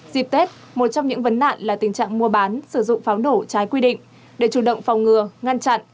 dịp tết một trong những vấn nạn là tình trạng mua bán sử dụng pháo nổ trái quy định để chủ động phòng ngừa ngăn chặn